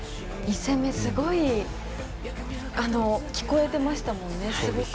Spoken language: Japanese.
１戦目すごい聞こえてましたもんね。